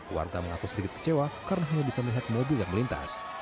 warga mengaku sedikit kecewa karena hanya bisa melihat mobil yang melintas